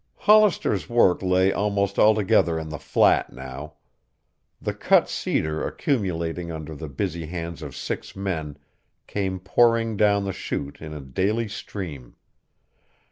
Hollister's work lay almost altogether in the flat now. The cut cedar accumulating under the busy hands of six men came pouring down the chute in a daily stream.